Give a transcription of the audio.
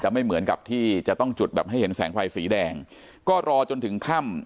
ไม่เหมือนกับที่จะต้องจุดแบบให้เห็นแสงไฟสีแดงก็รอจนถึงค่ำ